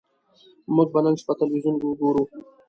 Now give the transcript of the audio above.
موږ به نن شپه ټلویزیون وګورو